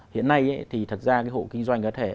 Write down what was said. hiện nay thì thật ra hộ kinh doanh